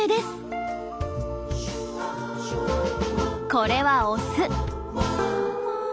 これはオス。